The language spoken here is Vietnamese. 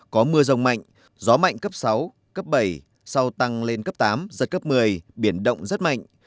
có mưa rông mạnh gió mạnh cấp sáu cấp bảy sau tăng lên cấp tám giật cấp một mươi biển động rất mạnh